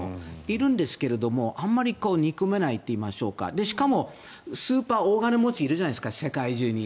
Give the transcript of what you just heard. いるんですけどあまり憎めないといいましょうかしかもスーパー大金持ちがいるじゃないですか、世界中に。